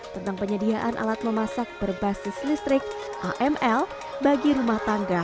tentang penyediaan alat memasak berbasis listrik aml bagi rumah tangga